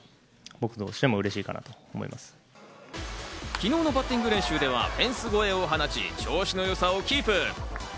昨日のバッティング練習では、フェンス越えを放ち、調子のよさをキープ。